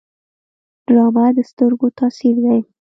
ډرامه د سترګو تاثیر دی